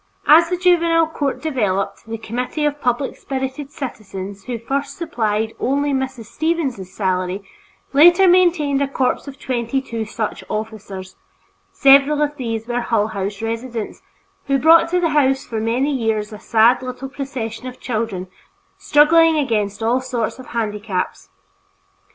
As the Juvenile Court developed, the committee of public spirited citizens who first supplied only Mrs. Stevens' salary later maintained a corps of twenty two such officers; several of these were Hull House residents who brought to the house for many years a sad little procession of children struggling against all sorts of handicaps.